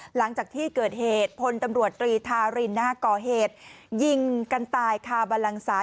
หลังจากที่เกิดเหตุพลตำรวจตรีทารินก่อเหตุยิงกันตายคาบันลังศา